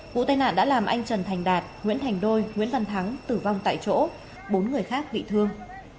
vụ tai nạn đã làm anh trần thành đạt nguyễn thành đôi nguyễn văn thắng tử vong tại chỗ bốn người khác bị thương